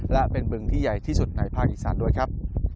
และเป็นบึงที่ใหญ่ที่สุดในภาคอีสานด้วยครับ